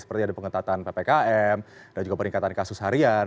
pengentatan ppkm dan juga peningkatan kasus harian